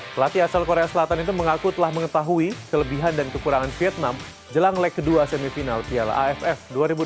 pelatih asal korea selatan itu mengaku telah mengetahui kelebihan dan kekurangan vietnam jelang leg kedua semifinal plaff dua ribu dua puluh dua